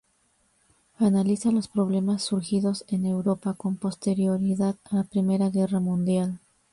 Analiza los problemas surgidos en Europa con posterioridad a la primera guerra mundial.